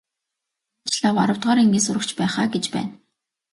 Энэ ч лав аравдугаар ангийн сурагч байх аа гэж байна.